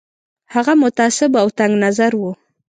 هغه متعصب او تنګ نظر وو.